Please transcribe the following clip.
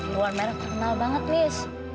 luar merek kenal banget nis